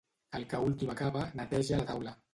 El que últim acaba, neteja la taula.